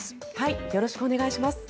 よろしくお願いします。